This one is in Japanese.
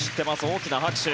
大きな拍手。